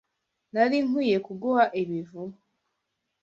Nari nkwiye kuguha ibi vuba.